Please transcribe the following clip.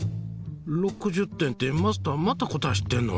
６０点ってマスターまた答え知ってんの？